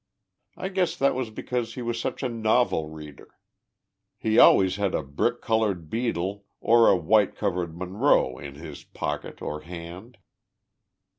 1 guess that was because he was such a novel reader. He always had a brick colored 4 Beadle ' or a white covered 4 Munro ' in his pocket or hand.